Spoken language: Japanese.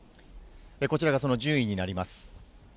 こちらがその順位になります。